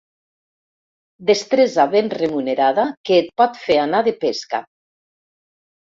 Destresa ben remunerada que et pot fer anar de pesca.